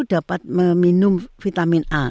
dapat meminum vitamin a